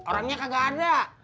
orangnya kagak ada